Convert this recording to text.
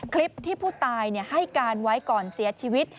คลิปที่ผู้ตายให้การไว้ก่อนเสียชีวิต